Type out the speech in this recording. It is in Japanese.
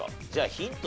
ヒント